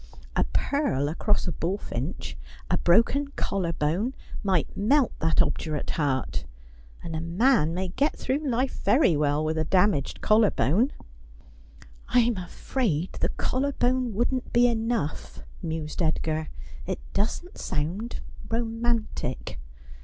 A purl across a bullfinch, a broken collar bone, might melt that obdurate heart. And a man may get through life very well with a damaged collar bone. ' I'm afraid the collar bone wouldn't be enough,' mused Edgar. ' It doesn't sound romantic.